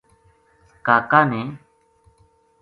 کا کا نے